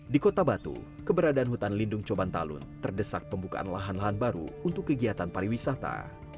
di kota batu keberadaan hutan lindung coban talun terdesak pembukaan lahan lahan baru untuk kegiatan pariwisata